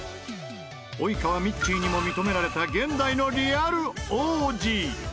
及川ミッチーにも認められた現代のリアル王子。